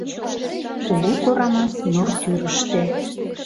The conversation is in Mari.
Кугу Корамас нур тӱрыштӧ